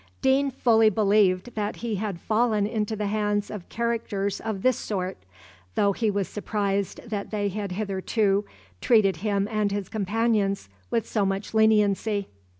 Deane fully believed that he had fallen into the hands of characters of this sort, though he was surprised that they had hitherto treated him and his companions with so much leniency.